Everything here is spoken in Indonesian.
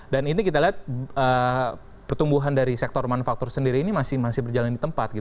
ini kita lihat pertumbuhan dari sektor manufaktur sendiri ini masih berjalan di tempat